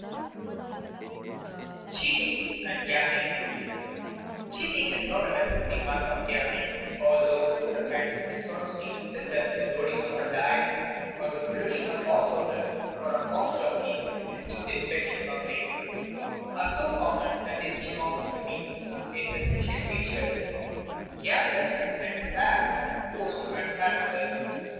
[Sidenote: Cheating and gambling] Cheating is not a necessary mark of gambling, although the cruder kinds of dishonesty, such as the loading of dice or the collusion of horse owners or of horse jockeys to deceive the betting public, are so common that they seem often to be its essential feature. Gamblers recognize fair as opposed to unfair methods.